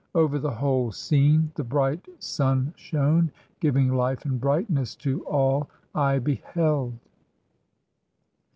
Over the whole scene the bright sun shone, giving life and brightness to all I beheld.